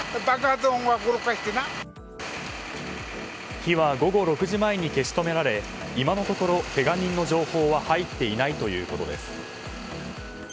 火は午後６時前に消し止められ今のところ、けが人の情報は入っていないということです。